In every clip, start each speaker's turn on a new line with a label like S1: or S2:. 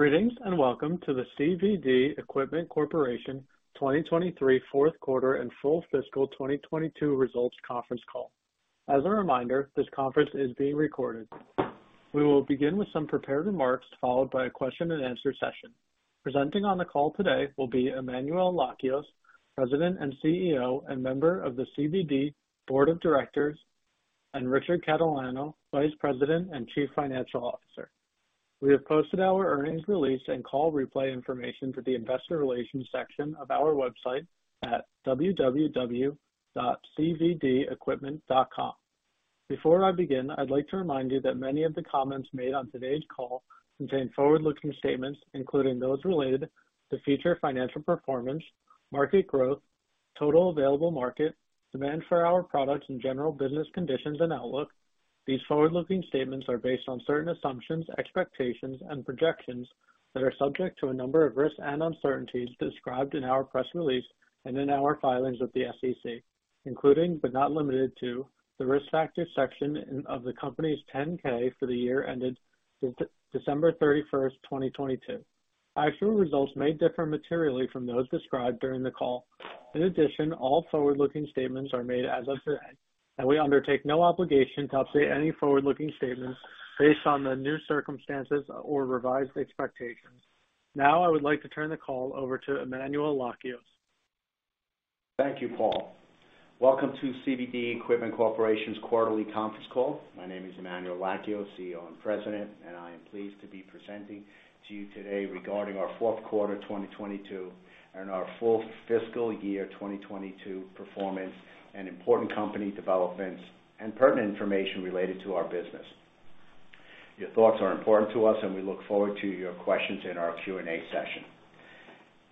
S1: Greetings, welcome to the CVD Equipment Corporation 2023 fourth quarter and full fiscal 2022 results conference call. As a reminder, this conference is being recorded. We will begin with some prepared remarks, followed by a question and answer session. Presenting on the call today will be Emmanuel Lakios, President and CEO, and member of the CVD Board of Directors, and Richard Catalano, Vice President and Chief Financial Officer. We have posted our earnings release and call replay information to the investor relations section of our website at www.cvdequipment.com. Before I begin, I'd like to remind you that many of the comments made on today's call contain forward-looking statements, including those related to future financial performance, market growth, total available market, demand for our products, and general business conditions and outlook. These forward-looking statements are based on certain assumptions, expectations, and projections that are subject to a number of risks and uncertainties described in our press release and in our filings with the SEC, including, but not limited to, the Risk Factors section of the company's 10-K for the year ended December 31, 2022. Actual results may differ materially from those described during the call. All forward-looking statements are made as of today, and we undertake no obligation to update any forward-looking statements based on the new circumstances or revised expectations. I would like to turn the call over to Emmanuel Lakios.
S2: Thank you, Paul. Welcome to CVD Equipment Corporation's quarterly conference call. My name is Emmanuel Lakios, CEO and President, and I am pleased to be presenting to you today regarding our fourth quarter 2022 and our full fiscal year 2022 performance and important company developments and pertinent information related to our business. Your thoughts are important to us, and we look forward to your questions in our Q&A session.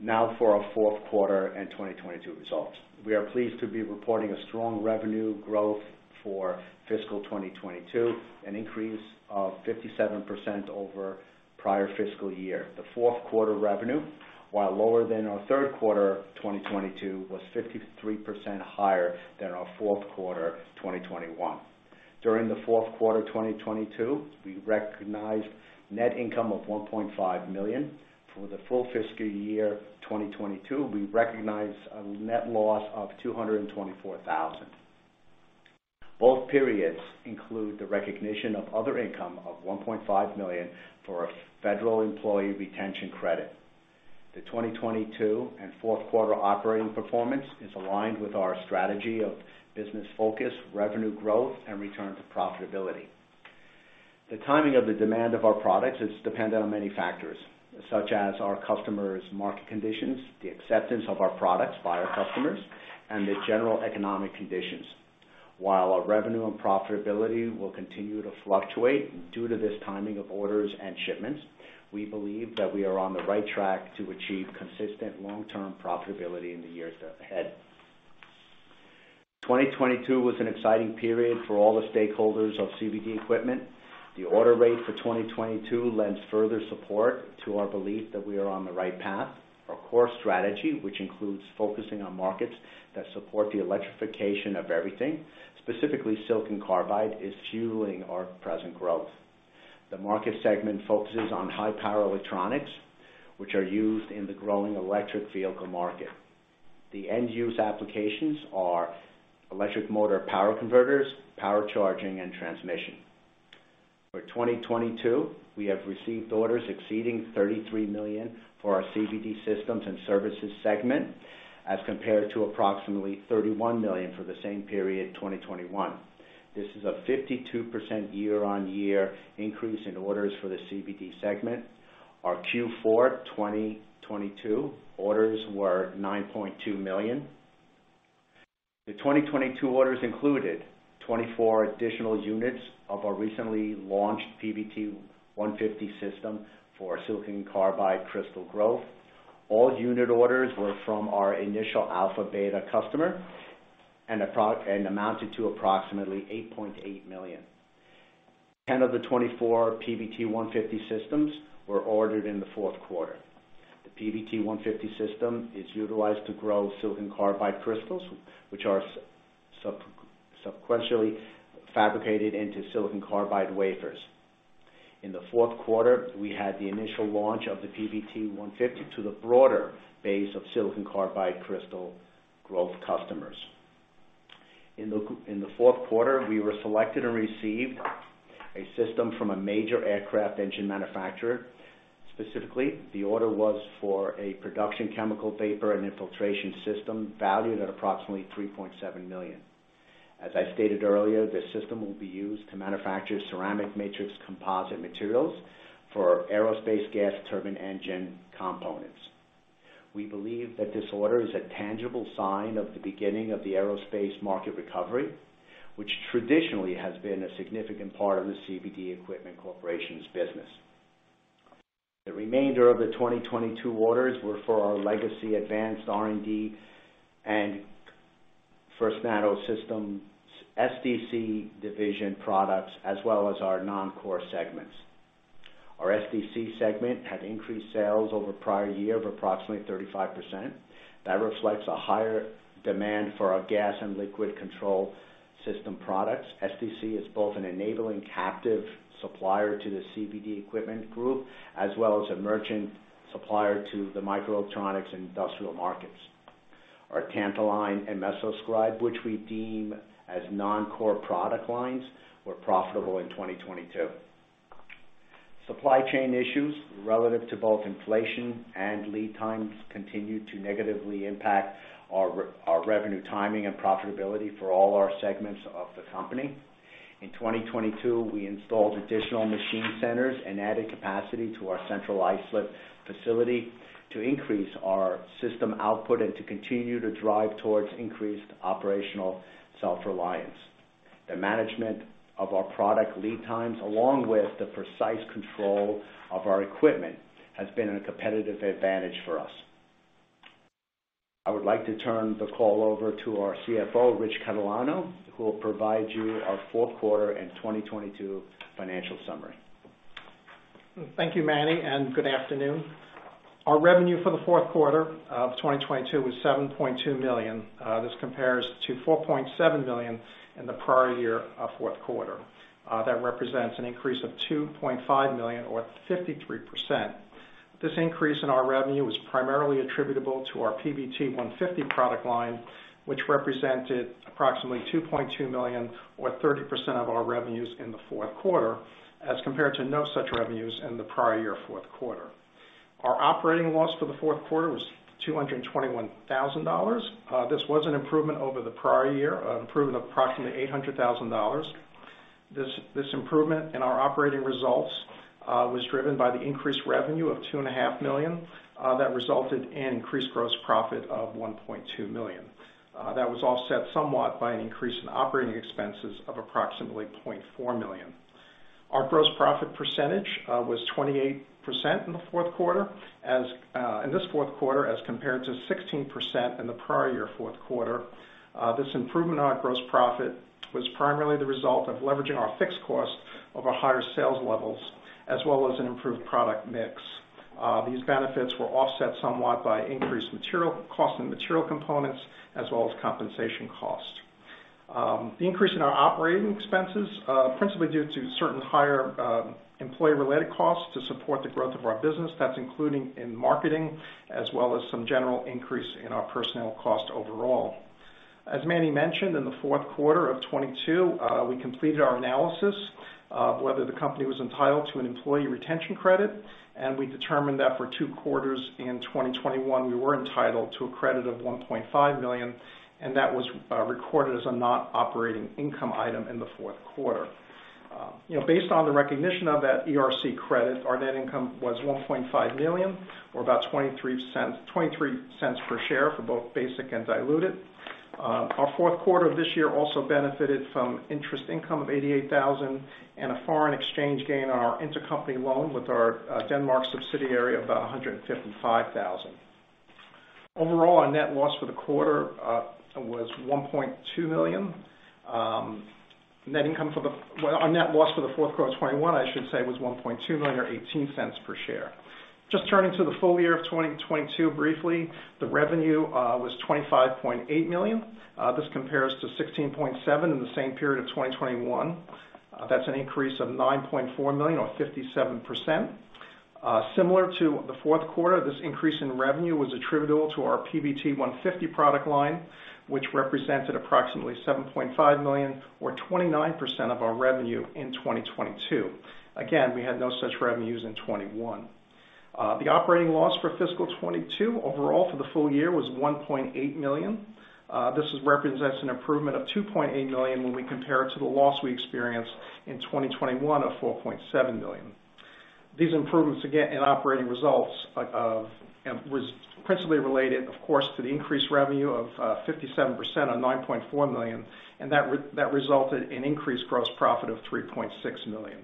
S2: Now for our fourth quarter and 2022 results. We are pleased to be reporting a strong revenue growth for fiscal 2022, an increase of 57% over prior fiscal year. The fourth quarter revenue, while lower than our third quarter 2022, was 53% higher than our fourth quarter 2021. During the fourth quarter 2022, we recognized net income of $1.5 million. For the full fiscal year, 2022, we recognized a net loss of $224,000. Both periods include the recognition of other income of $1.5 million for federal employee retention credit. The 2022 and fourth quarter operating performance is aligned with our strategy of business focus, revenue growth, and return to profitability. The timing of the demand of our products is dependent on many factors, such as our customers' market conditions, the acceptance of our products by our customers, and the general economic conditions. While our revenue and profitability will continue to fluctuate due to this timing of orders and shipments, we believe that we are on the right track to achieve consistent long-term profitability in the years ahead. 2022 was an exciting period for all the stakeholders of CVD Equipment. The order rate for 2022 lends further support to our belief that we are on the right path. Our core strategy, which includes focusing on markets that support the electrification of everything, specifically silicon carbide, is fueling our present growth. The market segment focuses on high power electronics, which are used in the growing electric vehicle market. The end-use applications are electric motor power converters, power charging, and transmission. For 2022, we have received orders exceeding $33 million for our CVD Systems and Services segment, as compared to approximately $31 million for the same period, 2021. This is a 52% year-on-year increase in orders for the CVD segment. Our Q4, 2022 orders were $9.2 million. The 2022 orders included 24 additional units of our recently launched PVT-150 system for silicon carbide crystal growth. All unit orders were from our initial alpha/beta customer and amounted to approximately $8.8 million. Ten of the 24 PVT-150 systems were ordered in the fourth quarter. The PVT-150 system is utilized to grow silicon carbide crystals, which are subsequently fabricated into silicon carbide wafers. In the fourth quarter, we had the initial launch of the PVT-150 to the broader base of silicon carbide crystal growth customers. In the fourth quarter, we were selected and received a system from a major aircraft engine manufacturer. Specifically, the order was for a production Chemical Vapor Infiltration system valued at approximately $3.7 million. As I stated earlier, this system will be used to manufacture ceramic matrix composite materials for aerospace gas turbine engine components. We believe that this order is a tangible sign of the beginning of the aerospace market recovery, which traditionally has been a significant part of the CVD Equipment Corporation's business. The remainder of the 2022 orders were for our legacy Advanced R&D and FirstNano Systems SDC division products, as well as our non-core segments. Our SDC segment had increased sales over prior year of approximately 35%. That reflects a higher demand for our gas and liquid control system products. SDC is both an enabling captive supplier to the CVD Equipment Group, as well as a merchant supplier to the microelectronics industrial markets. Our Tantaline and MesoScribe, which we deem as non-core product lines, were profitable in 2022. Supply chain issues relative to both inflation and lead times continued to negatively impact our revenue timing and profitability for all our segments of the company. In 2022, we installed additional machine centers and added capacity to our Central Islip facility to increase our system output and to continue to drive towards increased operational self-reliance. The management of our product lead times, along with the precise control of our equipment, has been a competitive advantage for us. I would like to turn the call over to our CFO, Rich Catalano, who will provide you our fourth quarter and 2022 financial summary.
S3: Thank you, Manny, and good afternoon. Our revenue for the fourth quarter of 2022 was $7.2 million. This compares to $4.7 million in the prior year fourth quarter. That represents an increase of $2.5 million or 53%. This increase in our revenue was primarily attributable to our PVT-150 product line, which represented approximately $2.2 million or 30% of our revenues in the fourth quarter as compared to no such revenues in the prior year fourth quarter. Our operating loss for the fourth quarter was $221,000. This was an improvement over the prior year improvement of approximately $800,000. This improvement in our operating results was driven by the increased revenue of $2.5 million that resulted in increased gross profit of $1.2 million. That was offset somewhat by an increase in operating expenses of approximately $0.4 million. Our gross profit percentage was 28% in the fourth quarter as in this fourth quarter, as compared to 16% in the prior year fourth quarter. This improvement on gross profit was primarily the result of leveraging our fixed cost over higher sales levels as well as an improved product mix. These benefits were offset somewhat by increased material cost and material components as well as compensation cost. The increase in our operating expenses, principally due to certain higher, employee-related costs to support the growth of our business. That's including in marketing as well as some general increase in our personnel cost overall. As Manny mentioned, in the fourth quarter of 2022, we completed our analysis of whether the company was entitled to an employee retention credit, and we determined that for two quarters in 2021, we were entitled to a credit of $1.5 million, and that was recorded as a not operating income item in the fourth quarter. You know, based on the recognition of that ERC credit, our net income was $1.5 million or about $0.23 per share for both basic and diluted. Our fourth quarter of this year also benefited from interest income of $88,000 and a foreign exchange gain on our intercompany loan with our Denmark subsidiary of about $155,000. Overall, our net loss for the quarter was $1.2 million. Our net loss for the fourth quarter of 2021, I should say, was $1.2 million or $0.18 per share. Just turning to the full year of 2022 briefly, the revenue was $25.8 million. This compares to $16.7 million in the same period of 2021. That's an increase of $9.4 million or 57%. Similar to the fourth quarter, this increase in revenue was attributable to our PVT-150 product line, which represented approximately $7.5 million or 29% of our revenue in 2022. Again, we had no such revenues in 2021. The operating loss for fiscal 2022 overall for the full year was $1.8 million. This is represents an improvement of $2.8 million when we compare it to the loss we experienced in 2021 of $4.7 million. These improvements, again, in operating results, was principally related, of course, to the increased revenue of 57% on $9.4 million. That resulted in increased gross profit of $3.6 million.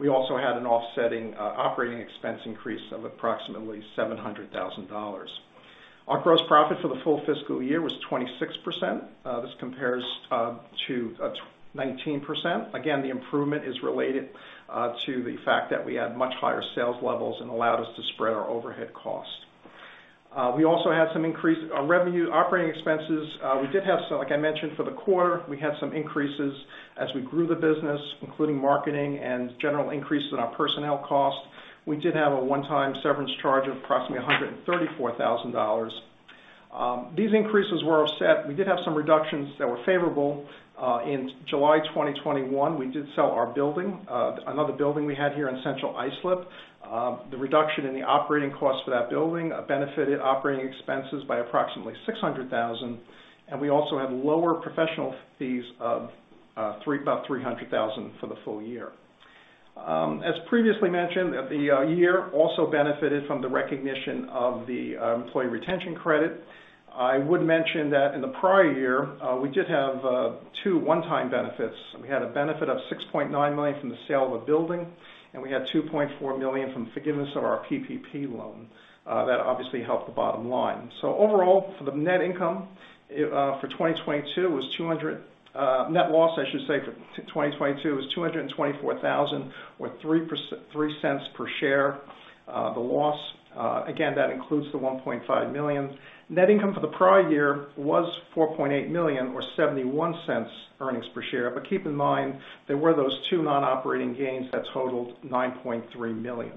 S3: We also had an offsetting operating expense increase of approximately $700,000. Our gross profit for the full fiscal year was 26%. This compares to 9%. Again, the improvement is related to the fact that we had much higher sales levels and allowed us to spread our overhead cost. We also had some increase, revenue operating expenses. We did have some, like I mentioned, for the quarter, we had some increases as we grew the business, including marketing and general increase in our personnel cost. We did have a one-time severance charge of approximately $134,000. These increases were offset. We did have some reductions that were favorable. In July 2021, we did sell our building, another building we had here in Central Islip. The reduction in the operating cost for that building benefited operating expenses by approximately $600,000, and we also had lower professional fees of about $300,000 for the full year. As previously mentioned, the year also benefited from the recognition of the employee retention credit. I would mention that in the prior year, we did have two one-time benefits. We had a benefit of $6.9 million from the sale of a building, and we had $2.4 million from forgiveness of our PPP loan. That obviously helped the bottom line. Overall, for the net income for 2022, net loss, I should say, for 2022 was $224,000 or $0.03 per share, the loss. Again, that includes the $1.5 million. Net income for the prior year was $4.8 million or $0.71 earnings per share. Keep in mind, there were those two non-operating gains that totaled $9.3 million.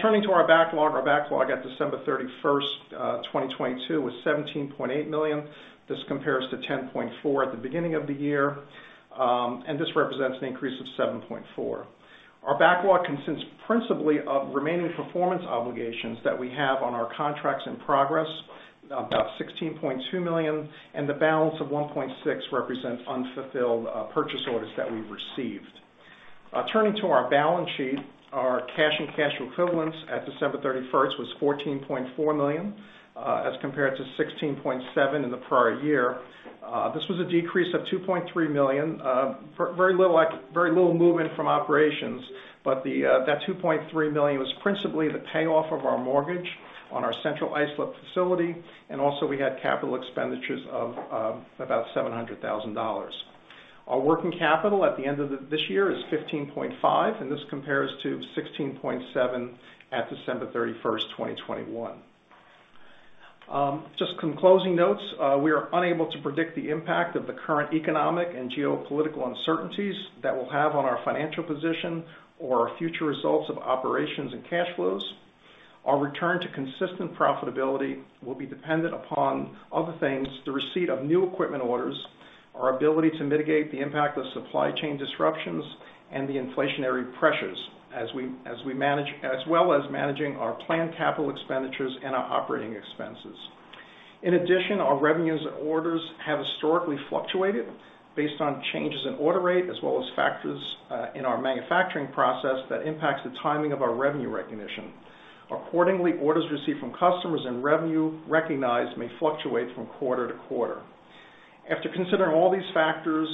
S3: Turning to our backlog. Our backlog at December 31st, 2022 was $17.8 million. This compares to $10.4 at the beginning of the year, and this represents an increase of 7.4%. Our backlog consists principally of remaining performance obligations that we have on our contracts in progress, about $16.2 million, and the balance of $1.6 million represents unfulfilled purchase orders that we've received. Turning to our balance sheet. Our cash and cash equivalents at December 31st was $14.4 million, as compared to $16.7 million in the prior year. This was a decrease of $2.3 million, very little movement from operations. That $2.3 million was principally the payoff of our mortgage on our Central Islip facility. Also, we had capital expenditures of about $700,000. Our working capital at the end of this year is $15.5, and this compares to $16.7 at December 31st, 2021. Just some closing notes. We are unable to predict the impact of the current economic and geopolitical uncertainties that will have on our financial position or future results of operations and cash flows. Our return to consistent profitability will be dependent upon other things, the receipt of new equipment orders, our ability to mitigate the impact of supply chain disruptions and the inflationary pressures as we manage, as well as managing our planned capital expenditures and our operating expenses. In addition, our revenues and orders have historically fluctuated based on changes in order rate as well as factors in our manufacturing process that impacts the timing of our revenue recognition. Accordingly, orders received from customers and revenue recognized may fluctuate from quarter to quarter. After considering all these factors,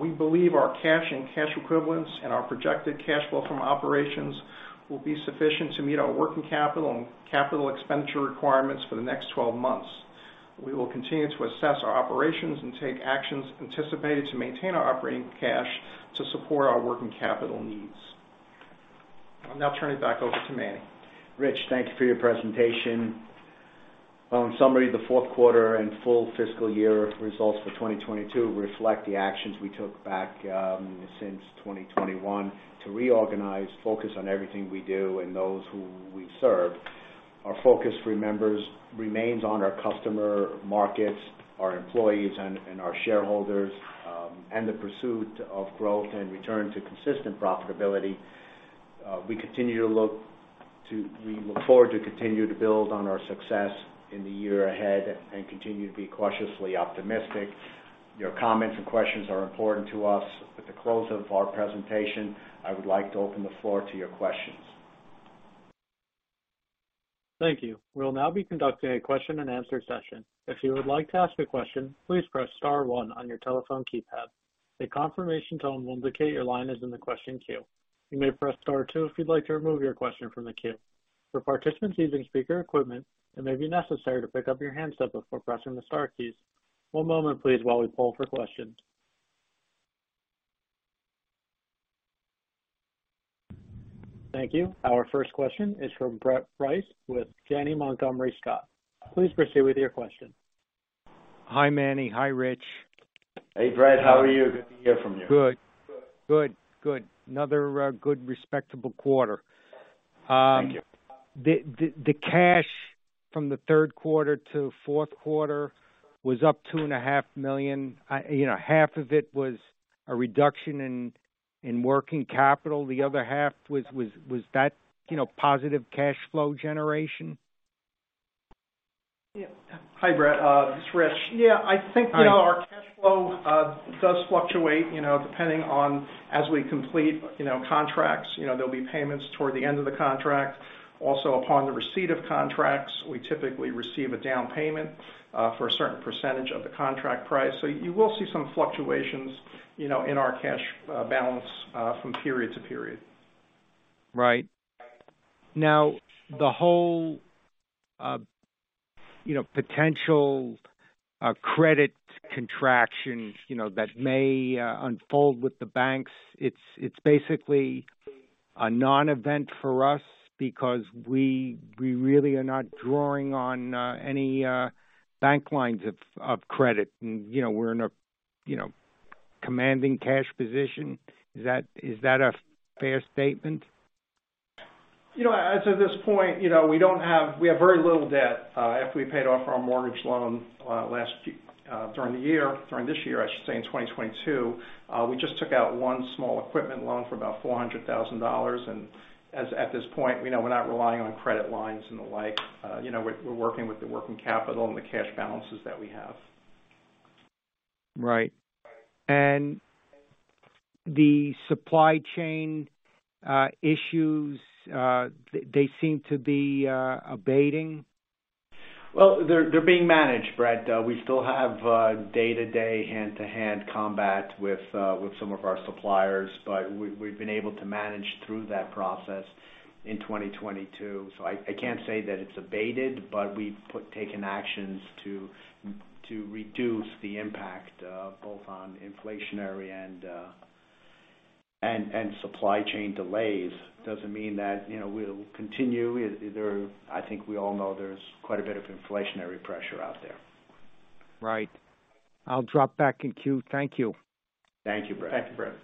S3: we believe our cash and cash equivalents and our projected cash flow from operations will be sufficient to meet our working capital and capital expenditure requirements for the next 12 months. We will continue to assess our operations and take actions anticipated to maintain our operating cash to support our working capital needs. I'll now turn it back over to Manny.
S2: Rich, thank you for your presentation. In summary, the fourth quarter and full fiscal year results for 2022 reflect the actions we took back since 2021 to reorganize, focus on everything we do and those who we serve. Our focus remains on our customer markets, our employees and our shareholders, and the pursuit of growth and return to consistent profitability. We look forward to continue to build on our success in the year ahead and continue to be cautiously optimistic. Your comments and questions are important to us. At the close of our presentation, I would like to open the floor to your questions.
S1: Thank you. We'll now be conducting a question-and-answer session. If you would like to ask a question, please press star one on your telephone keypad. A confirmation tone will indicate your line is in the question queue. You may press star two if you'd like to remove your question from the queue. For participants using speaker equipment, it may be necessary to pick up your handset before pressing the star keys. One moment please while we poll for questions. Thank you. Our first question is from Brett Rice with Janney Montgomery Scott. Please proceed with your question.
S4: Hi, Manny. Hi, Rich.
S2: Hey, Brett. How are you? Good to hear from you.
S4: Good, good. Another good respectable quarter.
S2: Thank you.
S4: The cash from the third quarter to fourth quarter was up two and a half million. You know, half of it was a reduction in working capital. The other half was that, you know, positive cash flow generation?
S3: Yeah. Hi, Brett. It's Rich. Yeah.
S4: Hi.
S3: You know, our cash flow does fluctuate, you know, depending on as we complete, you know, contracts. You know, there'll be payments toward the end of the contract. Also, upon the receipt of contracts, we typically receive a down payment for a certain percentage of the contract price. You will see some fluctuations, you know, in our cash balance from period to period.
S4: Right. Now, the whole, you know, potential, credit contraction, you know, that may, unfold with the banks, it's basically a non-event for us because we really are not drawing on, any, bank lines of credit. You know, we're in a, you know, commanding cash position. Is that a fair statement?
S3: You know, as of this point, you know, we have very little debt, after we paid off our mortgage loan, last few during the year, during this year, I should say in 2022. We just took out one small equipment loan for about $400,000. As at this point, you know, we're not relying on credit lines and the like. You know, we're working with the working capital and the cash balances that we have.
S4: Right. The supply chain issues, they seem to be abating?
S2: They're, they're being managed, Brett. We still have day-to-day, hand-to-hand combat with some of our suppliers, but we've been able to manage through that process in 2022. I can't say that it's abated, but we've taken actions to reduce the impact, both on inflationary and supply chain delays. Doesn't mean that, you know, we'll continue. I think we all know there's quite a bit of inflationary pressure out there.
S4: Right. I'll drop back in queue. Thank you.
S2: Thank you, Brett. Thank you, Brett.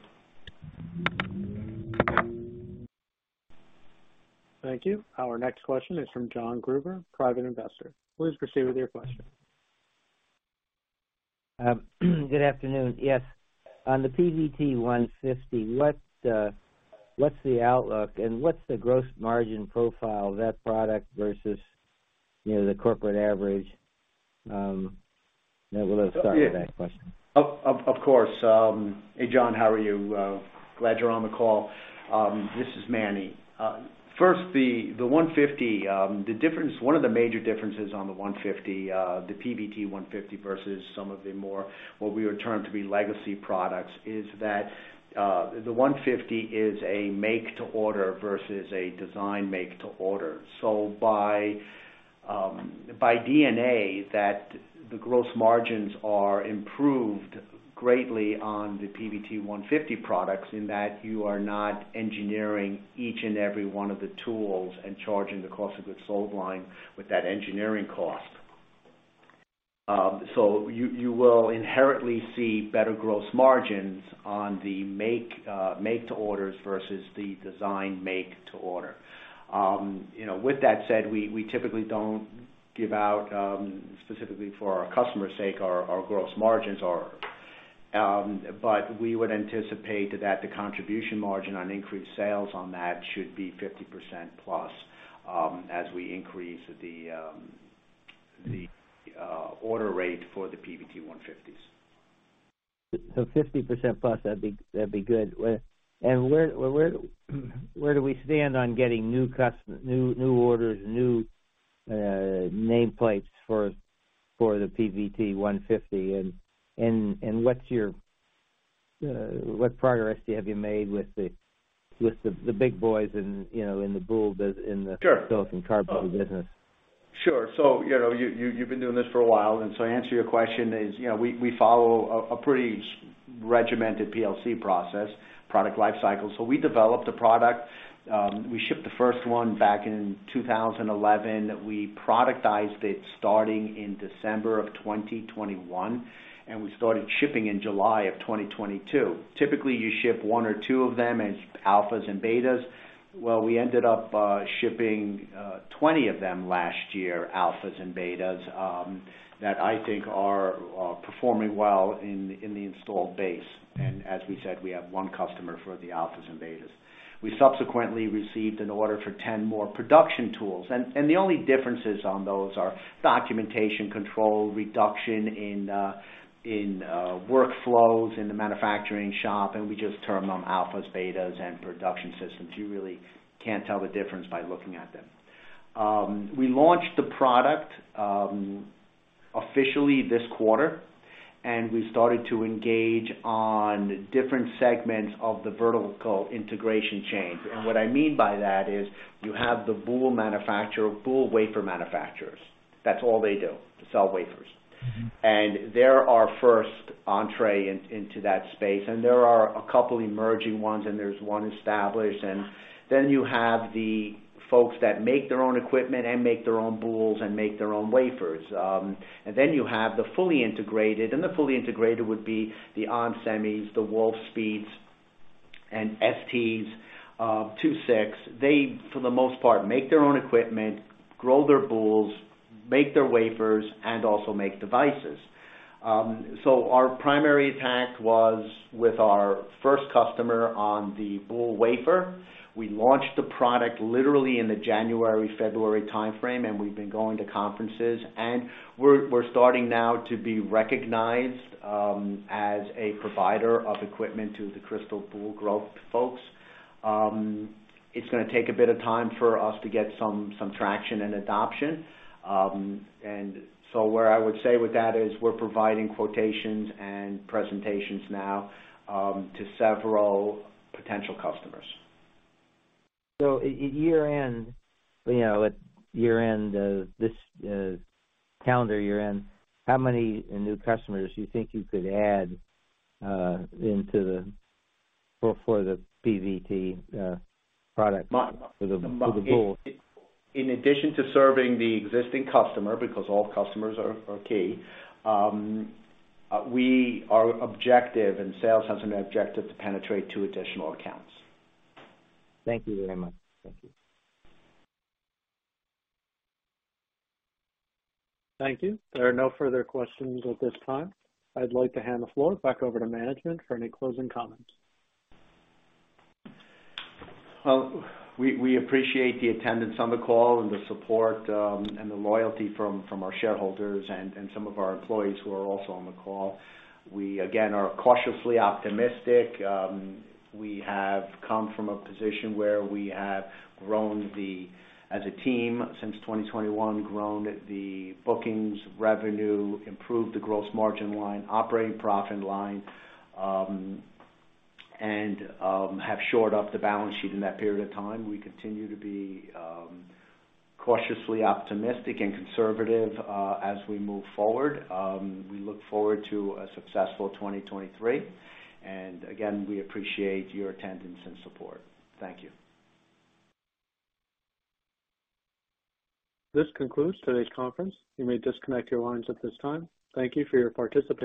S1: Thank you. Our next question is from John Gruber, private investor. Please proceed with your question.
S5: Good afternoon. Yes. On the PVT-150, what's the outlook and what's the gross margin profile of that product versus, you know, the corporate average? Yeah, we'll just start with that question.
S2: Of course. Hey, John, how are you? Glad you're on the call. This is Manny. First the 150, one of the major differences on the 150, the PVT 150 versus some of the more what we would term to be legacy products is that the 150 is a make to order versus a design make to order. By DNA that the gross margins are improved greatly on the PVT 150 products in that you are not engineering each and every one of the tools and charging the cost of goods sold line with that engineering cost. You will inherently see better gross margins on the make to orders versus the design make to order. you know, with that said, we typically don't give out, specifically for our customers' sake, our gross margins are. We would anticipate that the contribution margin on increased sales on that should be 50% plus, as we increase the order rate for the PVT-150s.
S5: 50% plus, that'd be good. Where do we stand on getting new orders, new nameplates for the PVT-150? And what's your what progress have you made with the big boys in, you know, in the boule?
S2: Sure.
S5: silicon carbide business?
S2: Sure. you know, you're you've been doing this for a while, to answer your question is, you know, we follow a pretty regimented PLC process, product life cycle. We developed a product, we shipped the first one back in 2011. We productized it starting in December of 2021, we started shipping in July of 2022. Typically, you ship one or two of them as alphas and betas. We ended up shipping 20 of them last year, alphas and betas, that I think are performing well in the installed base. As we said, we have one customer for the alphas and betas. We subsequently received an order for 10 more production tools. The only differences on those are documentation control, reduction in workflows in the manufacturing shop, and we just term them alphas, betas, and production systems. You really can't tell the difference by looking at them. We launched the product officially this quarter, and we started to engage on different segments of the vertical integration chains. What I mean by that is you have the boule manufacturer, boule wafer manufacturers. That's all they do, sell wafers. They're our first entree into that space. There are a couple emerging ones, and there's one established. You have the folks that make their own equipment and make their own boules and make their own wafers. You have the fully integrated, the fully integrated would be the onsemi, the Wolfspeed, STMicroelectronics, II-VI Incorporated. They, for the most part, make their own equipment, grow their boules, make their wafers, and also make devices. Our primary attack was with our first customer on the boule wafer. We launched the product literally in the January, February timeframe, and we've been going to conferences, and we're starting now to be recognized, as a provider of equipment to the crystal boule growth folks. It's gonna take a bit of time for us to get some traction and adoption. Where I would say with that is we're providing quotations and presentations now, to several potential customers.
S5: At year-end, you know, at year-end of this calendar year-end, how many new customers do you think you could add for the PVT product for the boule?
S2: In addition to serving the existing customer, because all customers are key, we are objective, and sales has an objective to penetrate two additional accounts.
S5: Thank you very much. Thank you.
S1: Thank you. There are no further questions at this time. I'd like to hand the floor back over to management for any closing comments.
S2: Well, we appreciate the attendance on the call and the support, and the loyalty from our shareholders and some of our employees who are also on the call. We again are cautiously optimistic. We have come from a position where we have grown as a team since 2021, grown the bookings, revenue, improved the gross margin line, operating profit line, and have shored up the balance sheet in that period of time. We continue to be cautiously optimistic and conservative as we move forward. We look forward to a successful 2023. Again, we appreciate your attendance and support. Thank you.
S1: This concludes today's conference. You may disconnect your lines at this time. Thank you for your participation.